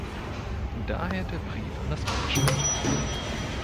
Daher der Brief an das Management.